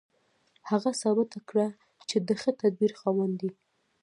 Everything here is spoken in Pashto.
هغه ثابته کړه چې د ښه تدبیر خاوند دی